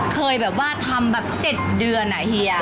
เคยแบบว่าทำแบบ๗เดือนอะเฮีย